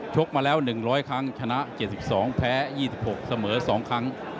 กมาแล้ว๑๐๐ครั้งชนะ๗๒แพ้๒๖เสมอ๒ครั้ง